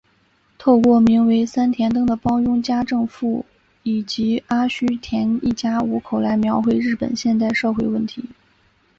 透过名为三田灯的帮佣家政妇以及阿须田一家五口来描绘日本现代社会问题。